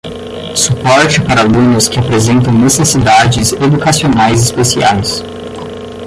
suporte para alunos que apresentam necessidades educacionais especiais